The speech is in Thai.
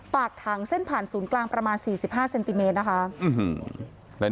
ปากถังเส้นผ่านศูนย์กลางประมาณ๔๕เซนติเมตรนะคะ